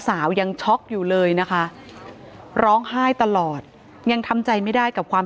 ยังช็อกอยู่เลยนะคะร้องไห้ตลอดยังทำใจไม่ได้กับความ